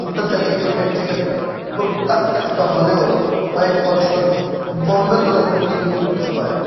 আন্তর্জাতিক ক্রিকেট থেকে প্রত্যাখ্যাত হলেও কয়েক বছর বোম্বে দলের প্রতিনিধিত্ব করেন।